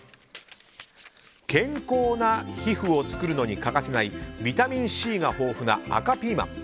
健康な皮膚を作るのに欠かせないビタミンＣが豊富な赤ピーマン。